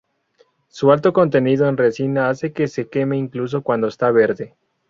Su alto contenido en resina hace que se queme incluso cuando está verde.